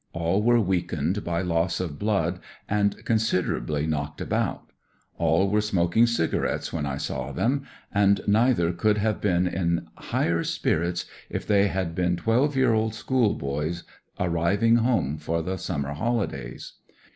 All were weakened by loss of blood and considerably knocked about; all were smoking cigarettes when I saw them, and neither could have been in higher spirits if they had been twelve year old schoolboys arriving home for the summer holidays.